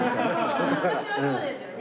昔はそうですよね。